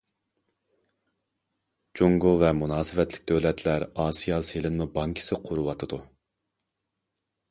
جۇڭگو ۋە مۇناسىۋەتلىك دۆلەتلەر ئاسىيا سېلىنما بانكىسى قۇرۇۋاتىدۇ.